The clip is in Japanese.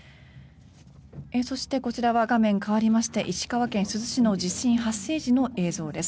そして、こちらは画面変わりまして石川県珠洲市の地震発生時の映像です。